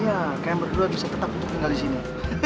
iya kayak yang berdua bisa tetap tinggal disini